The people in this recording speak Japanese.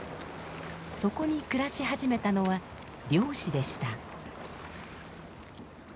そこに暮らし始めたのは漁師でした。